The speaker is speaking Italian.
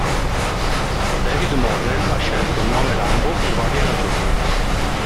David Morrell ha scelto il nome Rambo per varie ragioni.